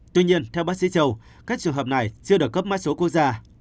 tuy nhiên theo bác sĩ châu các trường hợp này chưa được cấp mã số quốc gia